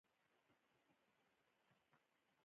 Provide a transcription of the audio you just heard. کنفرانس کې پوښتنه شوې وه.